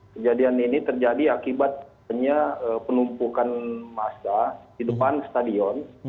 kejadian ini terjadi akibat penumpukan massa di depan stadion